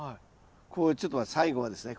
こうちょっと最後はですね